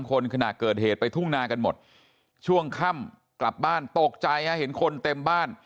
คนขณะเกิดเหตุไปทุ่งนากันหมดช่วงค่ำกลับบ้านตกใจฮะเห็นคนเต็มบ้าน